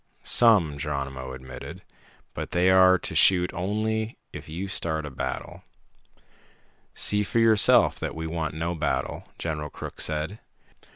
"Some," Geronimo admitted. "But they are to shoot only if you start a battle." "See for yourself that we want no battle," General Crook said.